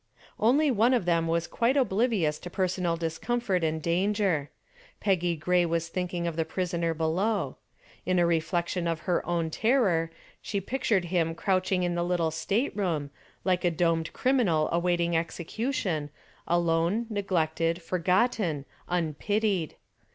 Only one of them was quite oblivious to personal discomfort and danger. Peggy Gray was thinking of the prisoner below. In a reflection of her own terror, she pictured him crouching in the little state room, like a doomed criminal awaiting execution, alone, neglected, forgotten, unpitied.